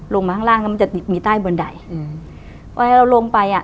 ลงมาข้างล่างแล้วมันจะติดมีใต้บนดัยอืมวันที่เราลงไปอ่ะ